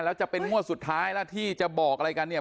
แล้วจะเป็นงวดสุดท้ายแล้วที่จะบอกอะไรกันเนี่ย